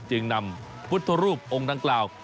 จึงนำพุทธรูปองค์ดังกล่าว